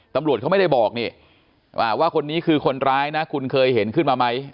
ตำรวจเขาไม่ได้บอกนี่ว่าคนนี้คือคนร้ายนะคุณเคยเห็นขึ้นมาไหม